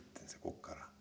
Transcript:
ここから。